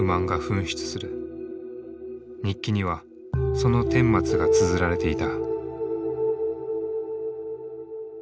日記にはその顛末がつづられていた。